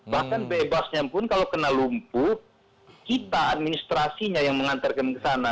bahkan bebasnya pun kalau kena lumpuh kita administrasinya yang mengantarkan ke sana